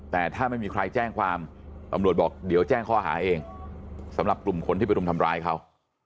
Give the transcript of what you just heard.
แต่ถ้าไม่มีใครแจ้งความตำรวจบอกเดี๋ยวแจ้งข้อหาเองสำหรับกลุ่มคนที่ไปรุมทำร้ายเขา